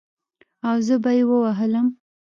او زه به يې ووهلم.